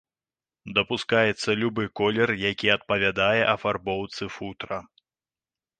Дапускаецца любы колер, які адпавядае афарбоўцы футра.